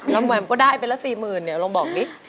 แล้วแหม่มก็ได้ไปแล้วสี่หมื่นเนี่ยลองบอกนิ